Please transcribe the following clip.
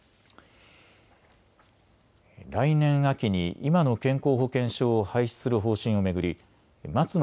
来年秋に今の健康保険証を廃止する方針を巡り松野